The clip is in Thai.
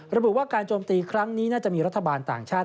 ระบุว่าการโจมตีครั้งนี้น่าจะมีรัฐบาลต่างชาติ